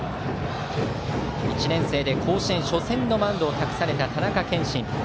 １年生で甲子園初戦のマウンドを託された田中謙心。